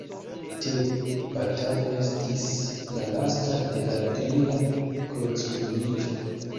Tiu batalo estis la lasta de la tria krucmilito.